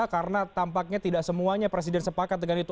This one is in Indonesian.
karena tampaknya tidak semuanya presiden sepakat dengan itu